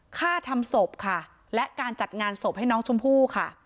ฆ่าทำศพค่ะและการจัดงานศพให้น้องชมพู่ค่ะ